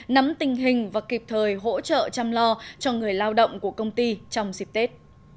nắm tình hình và kịp thời hỗ trợ chăm lo cho người lao động của công ty trong dịp tết